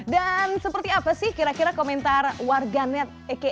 dan seperti apa sih kira kira komentar warganet ekonomi